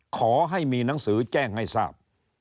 ขอให้มีหนังสือแจ้งให้ทราบ